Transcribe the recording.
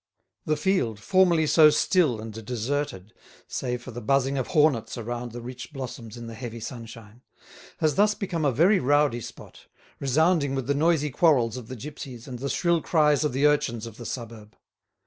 The field, formerly so still and deserted, save for the buzzing of hornets around the rich blossoms in the heavy sunshine, has thus become a very rowdy spot, resounding with the noisy quarrels of the gipsies and the shrill cries of the urchins of the suburb.